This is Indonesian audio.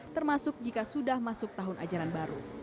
termasuk jika sudah masuk tahun ajaran baru